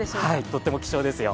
とっても貴重ですよ。